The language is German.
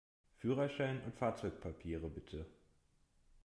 Führerschein und Fahrzeugpapiere, bitte!